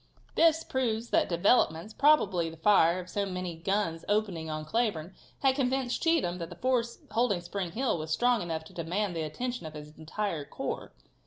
This proves that developments, probably the fire of so many guns opening on Cleburne, had convinced Cheatham that the force holding Spring Hill was strong enough to demand the attention of his entire corps.